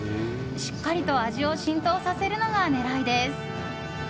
しっかりと味を浸透させるのが狙いです。